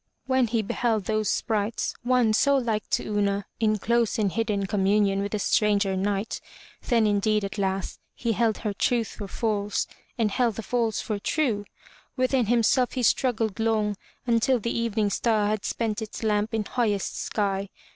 When he beheld those sprites — one so like to Una — in close and hidden com i8 FROM THE TOWER WINDOW munion with a stranger knight, then indeed at last he held her truth for false and held the false for true. Within himself he struggled long until the evening star had spent its lamp in highest sky.